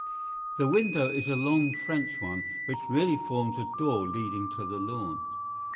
The window is a long French one, which really forms a door leading to the lawn.